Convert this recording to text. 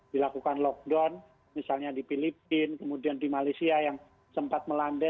dilakukan lockdown misalnya di filipina kemudian di malaysia yang sempat melanda